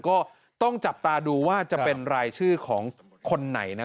ก็ต้องจับตาดูว่าจะเป็นรายชื่อของคนไหนนะ